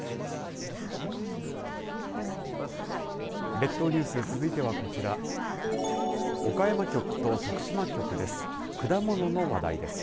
列島ニュース続いてはこちら岡山局と徳島局です。